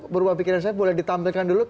berubah pikiran saya boleh ditampilkan dulu